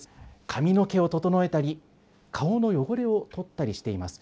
髪の毛を整えたり、顔の汚れを取ったりしています。